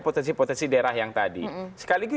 potensi potensi daerah yang tadi sekali lagi